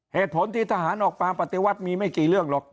เหตุผลที่ทหารออกมาปฏิวัติมีไม่กี่เรื่องหรอก